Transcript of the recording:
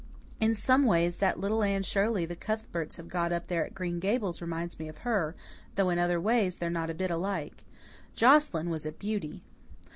In some ways that little Anne Shirley the Cuthberts have got up there at Green Gables reminds me of her, though in other ways they're not a bit alike. Joscelyn was a beauty."